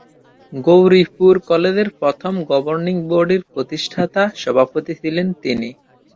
গৌরীপুর কলেজের প্রথম গভর্নিং বডির প্রতিষ্ঠাতা সভাপতি ছিলেন তিনি।